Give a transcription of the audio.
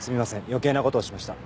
余計なことをしました。